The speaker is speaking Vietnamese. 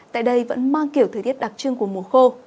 tại đây vẫn mang kiểu thời tiết đặc trưng của mùa khô